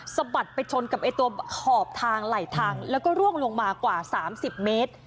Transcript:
สะบัดไปชนกับตัวขอบทางไหลทางแล้วก็ร่วงลงมากว่า๓๐เมตร